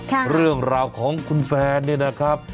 เรื่องราวของคุณแฟนเนี่ยนะครับ